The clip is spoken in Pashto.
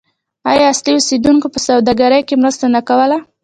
آیا اصلي اوسیدونکو په سوداګرۍ کې مرسته نه کوله؟